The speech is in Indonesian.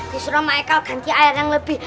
disuruh sama ekal ganti air yang lebih